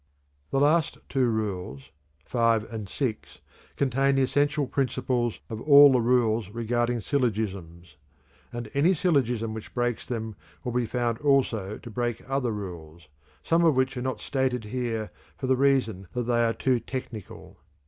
The last two rules (V. and VI.) contain the essential principles of all the rules regarding syllogisms, and any syllogism which breaks them will be found also to break other rules, some of which are not stated here for the reason that they are too technical.